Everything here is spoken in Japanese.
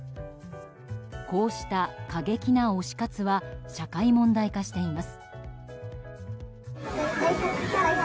こうした過激な推し活は社会問題化しています。